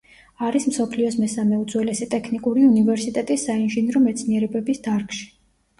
არის მსოფლიოს მესამე უძველესი ტექნიკური უნივერსიტეტი საინჟინრო მეცნიერებების დარგში.